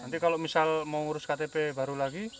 nanti kalau misal mau ngurus ktp baru lagi